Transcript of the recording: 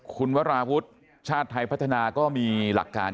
คุณวราวุฒิชาติไทยพัฒนาก็มีหลักการ